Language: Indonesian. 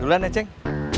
duluan ya ceng